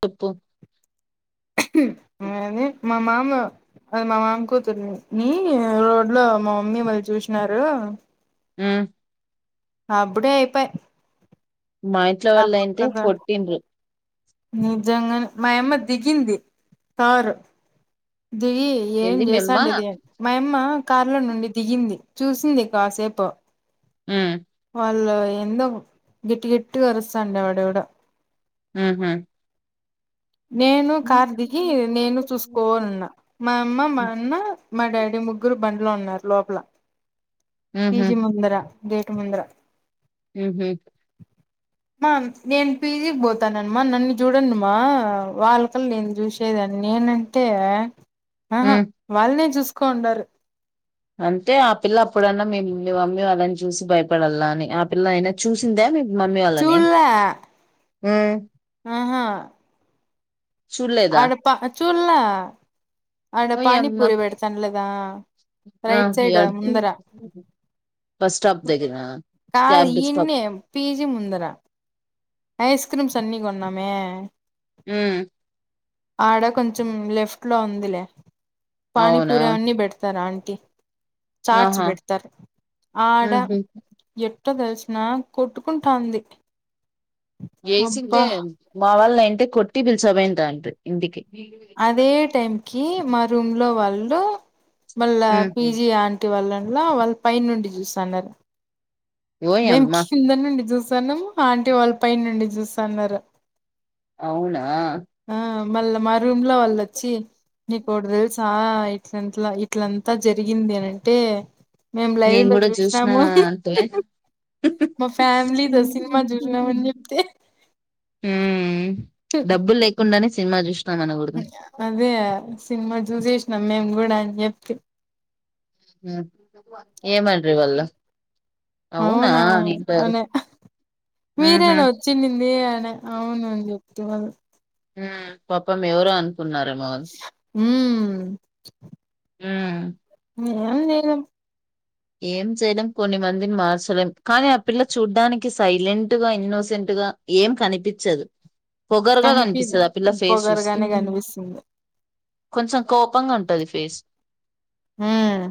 పప్పు అదే మా మామ అది మా మాం కూతుర్ని హు రోడ్ లో మా మమ్మీ వాళ్ళు చూసినారు హు అప్పుడే ఐపై మా ఇంట్లో వాళ్ళ నైతే కొట్టిండ్రు నిజంగానే మాయమ్మ దిగింది కార్ దిగి ఏం ఏంది మేమ్మ చేసాండిది మాయమ్మ కార్ల నుండి దిగింది చూసింది కాసేపు హు అళ్ళో ఎందో గట్టిగట్టిగరుస్తాడే వాడెవడో అహ నేను కార్ దిగి నేను చూసుకోవాలన్నా మా అమ్మ మా అన్న మా డాడీ ముగ్గురు బండ్లో ఉన్నారు లోపల ఉహు పీజీ ముందర గేట్ ముందర ఉహు మా నేను పీజీకి పోతాననమ్మ నన్ను చూడండిమా వాళ్ళకేల్ ఏందీ చూసేదాన్ని నేనంటే ఆహ ఉమ్ వాళ్ళనే చూస్ కొండరు అంతే ఆ పిల్ల అప్పుడన్నా మేము మీ మమ్మీ అళ్ళని చూసి భయపడాళ్ళ అని ఆ పిల్ల అయినా చూసింద మీ మమ్మీ వాళ్ళని చూడలే హుమ్ అ పా చూళ్ళ అడా ఓయమ్మ పానిపూరి పెడతనలదా ఆ రైట్ సైడ్ ఎడ ముందరా బస్ స్టాప్ దగ్గర కాదు క్యాబ్ స్టాప్ ఈన్నే పీజీ ముందరా ఐస్ క్రీమ్స్ అన్నీ కొన్నామే ఉమ్ ఆడ కొంచెం లెఫ్ట్ లో ఉందిలే అవునా పానీపూరి అన్ని పెడతారా అ చాట్స్ ఆహా పెడతారు ఆడా ఉహు ఎట్ ఏట్టో తెలిసిన కొట్టుకుంటాంది అబ్బా వేసింటే మా వాళ్ళ ఏయింటే కొట్టి పిలుచమయింది తాండ్రి ఇంటికి అదే టైం కి మా రూమ్ లో వాళ్ళు వాళ్ళ పీజీ ఆంటి వాళ్ళలో వాళ్ళ పై నుండి చూస్తన్నారు మేము ఓయమ్మ కింద నుండి చూసాన్నాము ఆంటీ వాళ్ళు పై నుండి చూస్తాన్నారు అవునా మళ్ళా మా రూమ్ లో వాళ్ళు వచ్చి నీకు ఒకటి తెలుసా ఇలంతలా ఇట్లంతా జరిగింది అనంటే మేము లైవ్ నేను లో కూడా చూసిన చూసినాము అంటే మా ఫ్యామిలీ తో సినిమా చూస్తున్నామని ఉమ్ చెప్తే డబ్బులు లేకుండానే సినిమా చూసినాం అనకూడదు అదే సినిమా చూసి ఎ నమ్మామ్ కూడా ఆయన చెప్తే హమ్ ఏమ్అన్రి వాళ్ళు అవునా అనే ఉహు మీరేనా వచ్చి నింది ఆయన అవును అని చెప్తు వాళ్ళు ఉమ్ పాపం ఎవరో అనుకున్నారేమో వాళ్ళు ఉమ్ ఆమ్ ఎమ్ లేదు ఏం చేయలేం కొన్ని మందిని మార్చలేం కానీ ఆ పిల్ల చూడ్డానికి సైలెంట్ గా ఇన్నోసెంట్ ఇలా ఏం కనిపించదు పొగరుగా కనిపిదు కనిపిస్తది ఆ పిల్ల ఫేస్ చూస్తే పొగరుగానే కనిపిస్తుంది కొంచెం కోపంగా ఉంటది ఫేస్ హమ్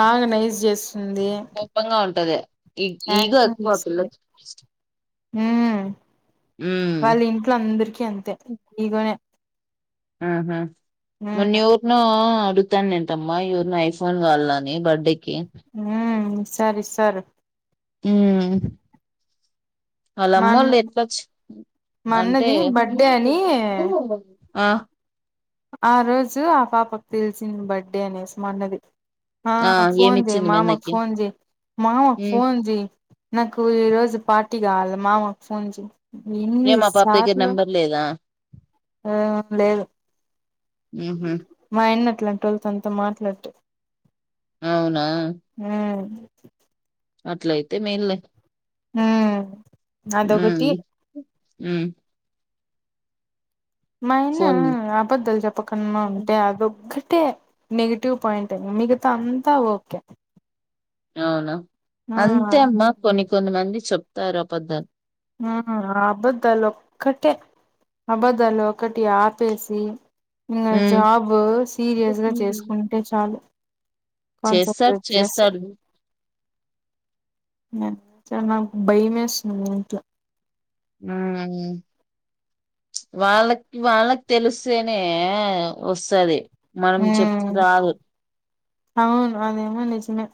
బాగా నైస్ చే కోప్పంగా ఉంటది ఈ ఈగో యాక్టింగ్ ఎక్కువ ఆ చేస్తుంది పిల్లకి ఉమ్ ఉమ్ వాళ్ళ ఇంట్లో అందరికిీ అంతే ఇగోనే ఉహుమ్ మొన్న ఎవరినో అడుతాను ఏంటమ్మా ఎవరెన్ని ఐఫోన్ కావలని బర్త్డేకిి సరి సారే అమ్ వాళ్ళ మా అమ్మ అన్న వాళ్ళు ఎటొచ్చ మా అంతే అన్నది బర్త్డే అని ఆ ఆ రోజు ఆ పాపకు తెలిసింది బర్త్డే అనేసి మా అన్నది ఆ ఫోన్ చేయి ఏమిచ్చింది మామకు మెన్నకి ఫోన్ చేయి మామకు ఉమ్ ఫోన్ చేయి నాకు ఈ రోజు పార్టీ కావాలి మామకు ఫోన్ చేయి ఏ మా పాప దగ్గర ఎన్నిసార్ లో నెంబర్ లేదా ఆమ్ లేదు ఉహు మా ఆయనకి ఇట్లాటి వాళ్ళుతో తనతో మాట్లాడు అవునా ఉమ్ అట్లయితే మెయిన్లే ఉమ్ అది ఒకటి అమ్ మా యిన ఫోన్ అబద్ధాలు చెప్పకున మా ఓకే అంటే అదొక అంటే నెగిటివ్ పాయింట్ ఏ మిగతా అంతా ఓకే అవునా ఆ అంతే అమ్మా కొన్ని కొన్ని మంది చెప్తారు అబద్ధాలు అబద్దాలు ఒక్కటే అబద్దాలు ఒకటి ఆపేసి ఇంగా హ్మ్. జాబ్ సీరియస్ గా చేసుకుంటే చాలు చేస్తారు కాన్సన్ట్రేట్ చేసి చేస్తాడు నిజంగా భయమేస్తుంది ఇంట్లో హ్మ్మ్ వాళ్ళకి వాళ్ళకి తెలిస్తేనే వస్తాది మనం చోప్తే ఉమ్ రాదు అవును అదేమో నిజమే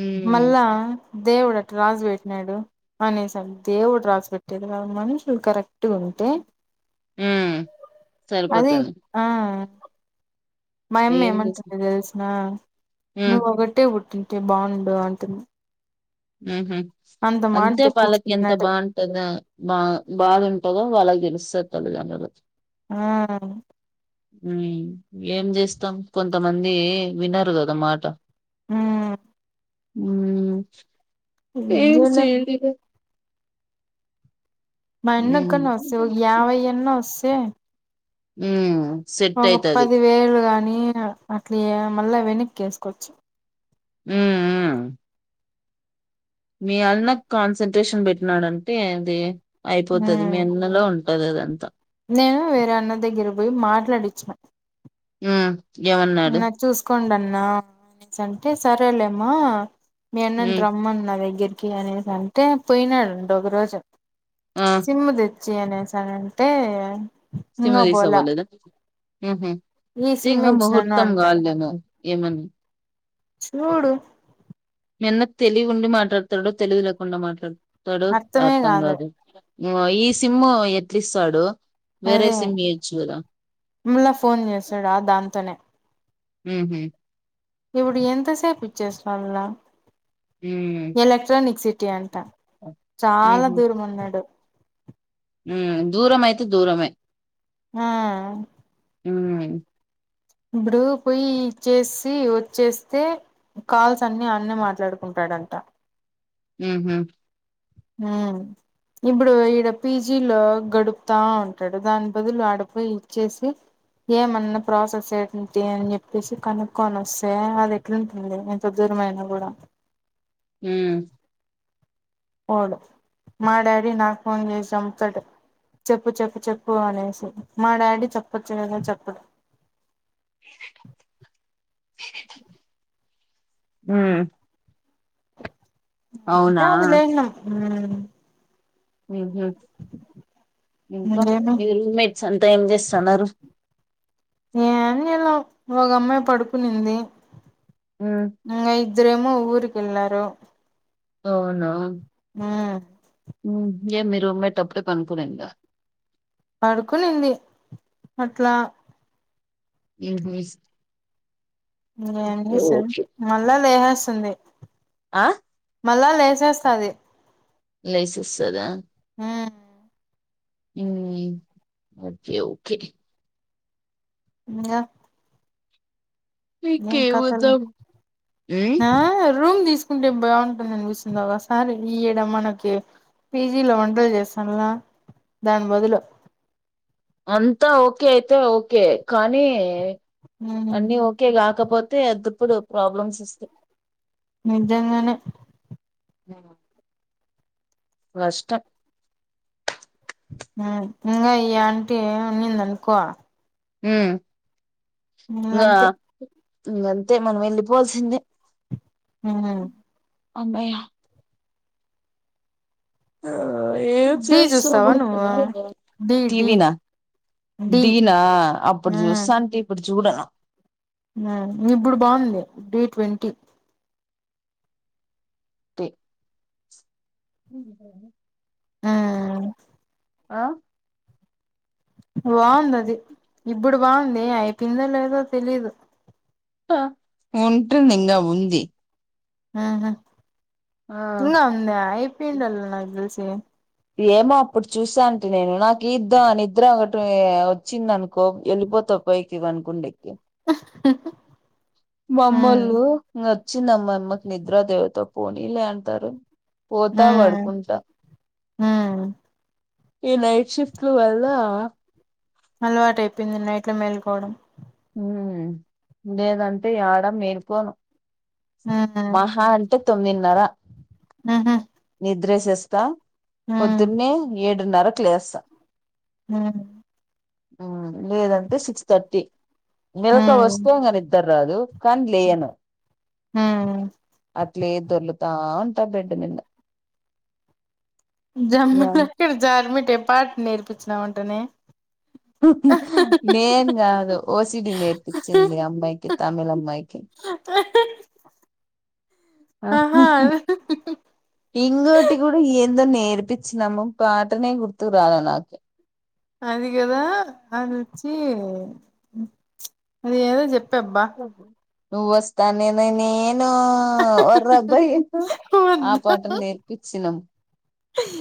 ఉమ్ మళ్ళా దేవుడు అట్టా రాసి పెట్టినాడు అనేస దేవుడు రాసి పెట్టేది కాదు మనుషులు కరెక్ట్గా ఉంట టే అది సరిపోతుంది ఆ మాయమ్మ ఏం చేస్త ఏముంటుంది తెలసున ఉమ్ నువ్వు ఒకటే పుట్టి అంటే బాగుండు అంటుంది హ్మ్మ్ అంత మాట అంతే పలకి ఎంత తెప్పించుకున్నాడు బాగుంటదో బా బాధ ఉంటందో వాళ్లకి తెలుస్తది తల్లిదండ్రులకి హ్మ్మ్ ఏం చేస్తాం కొంతమంది వినరు కదా మాట హ్మ్మ్ హ్మ్మ్ ఏం సేడిగా మా అన్నా ఉమ్ కన్నా వస్తే యావైయ్యన్నా వాసే హ్మ్మ్ ఒక పది వేలు గాని అట్లా మళ్ళా వెనక్కి ఎసుకోవచ్చు హ్మ్మ్ హ్మ్మ్ మీ అన్నా కాన్సన్ంట్రేషన్ పెట్టినాడంటే అది అయిపోతుది మీ ఉమ్ అన్నా లో ఉం పది అదంతా నేను వేరే అన్నా దగ్గర పోయి మాట్లాడిచ్చిన హ్మ్మ్ అన్న చూసుకోండి అన్నా అనే అంటే సరేలేమ్మా మీ అన్నా ని ఉమ్ రమ్మను నా దగ్గరికి అనేసి అంటే పోయినాడు అంటా ఒక రోజు ఆ సిమ్ము తెచ్చి అనేసానంటే సిం ఇంగా తీసా పోలా పోలేదా హ్మ్మ్ ఈ తే సిమ్మే ఇంకా ఇచ్చినాను ముహూర్తం అంటాడు గాలేను ఏమని చూడు మీ అన్న తెలివి ఉండి మాట్లాడతాడో తెలివి లేకుండా మాట్లాడతాడో అర్థం కాదు ఈ సిమ్ ఎట్లిస్తాడు వేరే అదే సిమ్ ఇయొచ్చు కదా మళ్లా ఫోన్ చేసాడు దాంతోనే హ్మ్మ్ ఇప్పుడు ఎంత సేపు ఇచ్చేసి రావాలా ఉమ్ ఎలక్ట్రానిక్ సిటీ అంటా చాలా దూరం ఉన్నాడు ఊ దూరం అయితే దూరమే ఆ హ్మ్మ్ ఇబ్బుడు పోయి ఇచ్చేసి వచ్చేస్తే కాల్స్ అన్ని అన్నా మాట్లాడుకుంటాడంట హ్మ్మ్ హ్మ్మ్ హ్మ్మ్ ఇప్పుడు ఈడి పీజీ లో గడుపుతా ఉంటాడు దాని బదులు ఆడపోయి ఇచ్చేసి ఏమన్నా ప్రాసెస్ ఏంటి అని చెప్పేసి కనుక్కొని వస్సే అది ఎట్లుంటుంది ఎంత దే మా అన్నా గూడా హ్మ్మ్ అవును మా డాడీ నాకు ఫోన్ చేసి సంపుతడు చెప్పు చెప్పు చెప్పు అనేసి మా డాడీ చెప్పచ్చుగదా చెప్పడు వేరే డబ్బుందా వేరే డబ్బు ఊ ఆ జాబు లేదు నాకు ఊ ఏం లేద్ ఇంకా ఇంగేమి మీ రూమ్మేట్స్ అంతా ఏం చేస్తున్నారు ఏం జేయలో ఒక అమ్మాయి పడుకునింది ఇంకా ఇద్దరేమో ఊరుకి ఎలారు అవునా ఆ ఊ ఏ మీ రూమ్ మెట్ అప్పుడే పడుకోనిందా పడుకునింది అట్లా ఏం మిస్డ్ ఇంగేమ్ జేసం మళ్ళా లేహేస్తుంది అ మళ్ళా లేచేస్తది లేసెస్తదా ఈ ఓకే ఓకే ఇంగా ఏం కథలు నీకేమద్దాం హ్మ్. ఆ రూమ్ తీస్ అంటే బాగుంటుంద అనిపిస్తుంది ఒకసారి ఈ ఏడ మనకి పీజీలో వంటలు చేస్తాను ల దాని బదులు అంతా ఓకే అయితే ఓకే కానీ మ్ అన్ని ఓకే కా కాకపోతే అద్దప్పుడు ప్రాబ్లమ్స్ వస్తాయి నిజంగానే ఆ వష్టం ఊ ఇంకా ఈ ఆంటీ ఏం ఉన్నింది అనుకో ఊ ఇంగో ఇంగంతే ఇంగంతే మనం వెళ్ళిపోల్సిందే ఊ అమ్మయా ఆ ఏం డీ చేస్తాం చూస్తావా నువ్వు అంతలానా డీ డీ టీవినా డీ దీనా అప్పుడు చూస్తాంటి ఇప్పుడు చూడను ఆ ఇప్పుడు బాగుంది డి ట్వంటీ టి ఉమ్ ఆ బాగుంది అది ఇప్పుడు బాగుంది అయపిల్లలేదో తెలీదు ఉంటుంది ఇంకా ఉంది ఆహా ఆ ఇంకా ఉంద ఐపీండాల నాక్ తెలిసి ఏమో అప్పుడు చూస్థా ఉంటీ నేను నాకు ఈద్ద నిద్ర ఒకటి వచ్చిందనుకో వెళ్ళిపో ఉత్త పైకి వాని కుండెక్కి ఉమ్ మామ్మోలు ఇంగత్ వచ్చిందమ్మ మామ్మమ్మకి నిద్రా దేవత పోనీ లే అంటరు పోతా వడుకుంటా ఉమ్ ఈ నైట్ షిఫ్ట్లు వెళ్ళావా అలవాటు అయిపోయింది నైట్ల మేలుకోవడం ఊ లేదంటే ఏడ మేలుకోను ఉమ్ మహా అంటే తొమ్మిదిన్నర ఉహు నిద్రేసేస్తా ఉమ్ పొద్దున్న ఏడున్నరకి లేస్తా హ్మ్ హు లేదంటే సిక్స్ థర్టీ ఉమ్ మెలకువొస్తే ఇంగ నిద్దర్ రాదు కానీ లేయను ఉమ్ అట్లే దొర్లుతా ఉంటా బెడ్డు మీదా ఏం జమ్మలకడి జార్మిటాయా పాట నేర్పించినావంటనే హ్ హ్ నేన్ కాదు ఓసిడి నేర్పించింది అమ్మాయికి తమిళమ్మాయికి ఆహా హ్ అహహ ఇంగోటి కూడా ఎందో నేర్ ర్పిచినాము పాటనే గుర్తురాలే నాకు అది కదా అది వచ్చి అది ఏదో చెప్ నువ్వొస్తా నేన్ నేను వోర్రబ్బయా ఆ పాట నేర్పించినం ఆహ్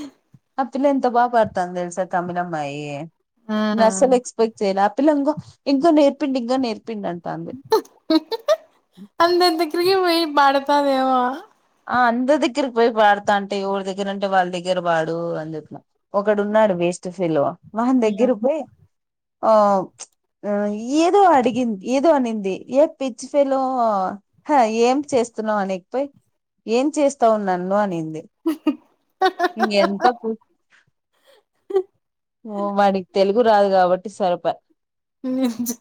ఆ పిల్ల ఎంత బాగా పాడుతాంది తెలిసా తమిళమ్మాయి అసలు ఉమ్ ఎక్స్పెక్ట్ చేయలే ఆపిల్ల ఇంగో ఇంకా నేర్పియ్యండి ఇంకా నేర్పియ్యండి అంత అంత క్రియావోయి పాడతాదేమో ఆ అందరి దగ్గరకి పోయి పాడతా అంటే ఎవరి దగ్గర అంటే వాళ్ళ దగ్గర పాడు అని చెప్పినా ఒకడు ఉన్నాడు వే వేస్ట్ ఫెల్లో వాన్ దగ్గరకూ పోయి ఓ ఆ ఏదో అడిగింది ఏదో అనింది ఏ పిచ్చి ఫెల్లో హ ఏం చేస్ చేస్తున్నావు అనేకపోయి ఏం చేస్తావ్ నన్ను అనింది ఎంత పూ ఓ వాడికి తెలుగు రాదు కాబట్టి సరిపాయే నిజంగా